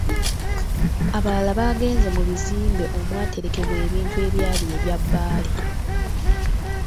Abalala baagenze mu bizimbe omwaterekebwa ebintu ebyali ebya Bbaale